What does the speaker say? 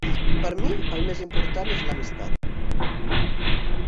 Per a mi el més important és l'amistat.